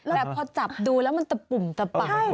แต่พอจับดูแล้วมันตะปุ่มตะป่า